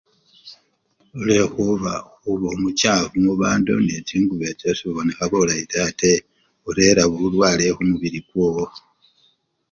Khulwekhuba omuchafu mubandu nende chingubo echo sobonekha bulayi taa ate orera bulwale khumubili kwowo.